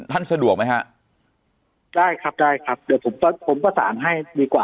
สะดวกไหมฮะได้ครับได้ครับเดี๋ยวผมประสานให้ดีกว่า